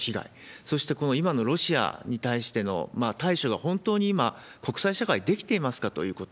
そしてこの今のロシアに対しての対処が本当に今、国際社会、できていますか？ということ。